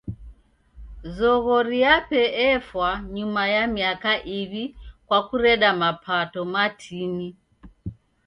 Zoghori yape efwa nyuma ya miaka iw'i kwa kureda mapato matini.